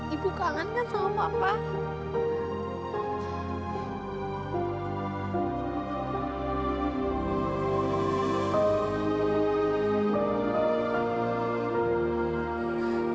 ibu kangen kan sama bapak